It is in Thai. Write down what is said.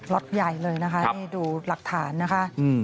็อตใหญ่เลยนะคะนี่ดูหลักฐานนะคะ